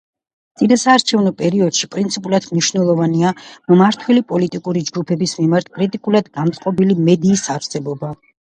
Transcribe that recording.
წინასაარჩევნო პერიოდში პრინციპულად მნიშვნელოვანია, მმართველი პოლიტიკური ჯგუფების მიმართ კრიტიკულად განწყობილი მედიის არსებობა.